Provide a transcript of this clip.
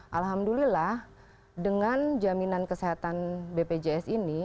alhamdulillah dengan jaminan kesehatan bpjs ini